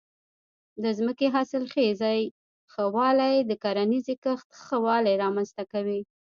د ځمکې د حاصلخېزۍ ښه والی د کرنیزې کښت ښه والی رامنځته کوي.